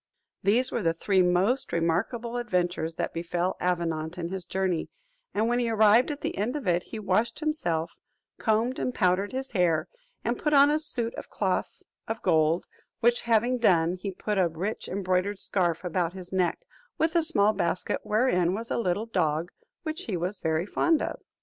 These were the three most remarkable adventures that befell Avenant in his journey; and when he arrived at the end of it, he washed himself, combed and powdered his hair, and put on a suit of cloth of gold: which having done, he put a rich embroidered scarf about his neck, with a small basket, wherein was a little dog which he was very fond of.